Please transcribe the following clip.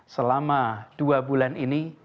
selama dua bulan ini